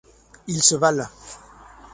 Ils se valent.